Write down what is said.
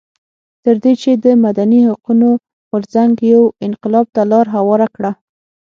تر دې چې د مدني حقونو غورځنګ یو انقلاب ته لار هواره کړه.